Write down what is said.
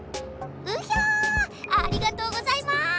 うひゃありがとうございます！